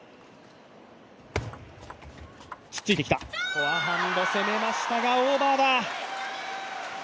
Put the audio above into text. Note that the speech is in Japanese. フォアハンド攻めましたが、オーバーだ。